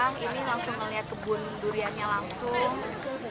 kang ini langsung melihat kebun duriannya langsung